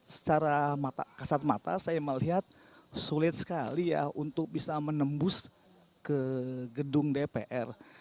secara kasat mata saya melihat sulit sekali ya untuk bisa menembus ke gedung dpr